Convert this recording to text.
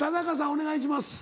お願いします。